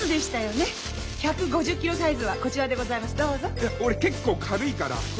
いや俺結構軽いからこれ。